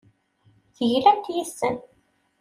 Teglamt yes-sen.